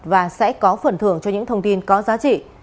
và sẽ có phần thưởng cho những thông tin có giá trị